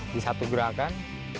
di satu gerakan